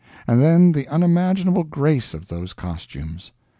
And then, the unimaginable grace of those costumes!